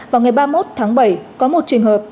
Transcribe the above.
vào ngày ba mươi một tháng bảy có một trường hợp